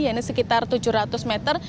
ya ini sekitar tujuh ratus meter